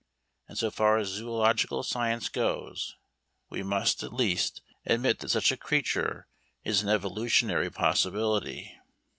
And so far as zoological science goes we must, at least, admit that such a creature is an evolutionary possibility.